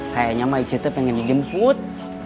kayaknya sama icetnya pengen dijemput